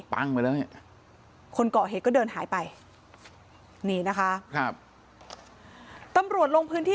ไปแล้วนี่คนก่อเหตุก็เดินหายไปนี่นะคะครับตำรวจลงพื้นที่